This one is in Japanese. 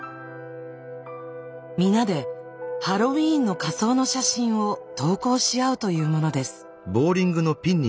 皆でハロウィーンの仮装の写真を投稿しあうというものです。